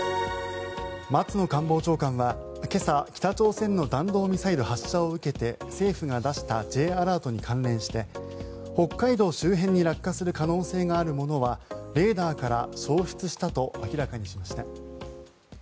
松野官房長官は今朝北朝鮮の弾道ミサイル発射を受けて政府が出したＪアラートに関連して北海道周辺に落下する可能性があるものはレーダーから消失したと明らかにしました。